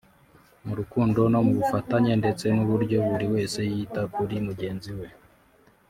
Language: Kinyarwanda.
mu rukundo no mu bufatanye ndetse n’uburyo buri wese yita kuri mugenzi we